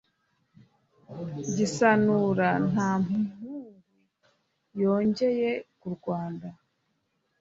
Gisanura nta mpugu yongeye ku Rwanda